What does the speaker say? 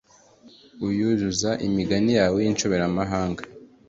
uyuzuza imigani yawe y'inshoberamahanga